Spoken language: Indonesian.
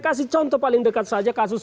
kasih contoh paling dekat saja kasus